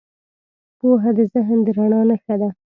پوهه د ذهن د رڼا نښه ده.